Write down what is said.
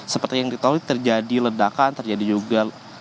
seperti yang diketahui terjadi ledakan terjadi juga